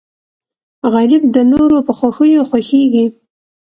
غریب د نورو په خوښیو خوښېږي